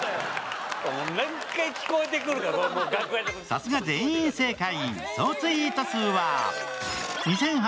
さすが全員正解！